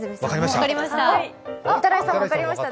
分かりました。